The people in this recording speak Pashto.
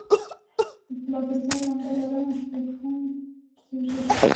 لا پر سر لمبه لرمه چي مي پښو ته پر سجده سي